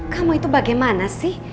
kamu itu bagaimana sih